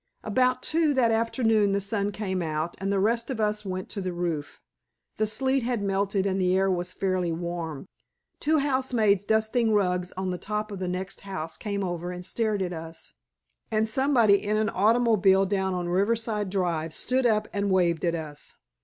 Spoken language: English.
About two that afternoon the sun came out, and the rest of us went to the roof. The sleet had melted and the air was fairly warm. Two housemaids dusting rugs on the top of the next house came over and stared at us, and somebody in an automobile down on Riverside Drive stood up and waved at us.